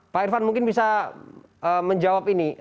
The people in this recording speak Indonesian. pak irfan mungkin bisa menjawab ini